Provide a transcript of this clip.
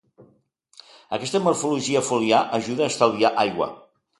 Aquesta morfologia foliar ajuda a estalviar aigua.